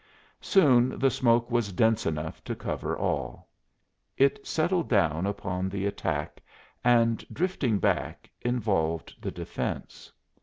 Soon the smoke was dense enough to cover all. It settled down upon the attack and, drifting back, involved the defense.